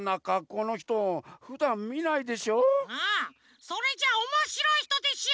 うんそれじゃおもしろいひとでしょ！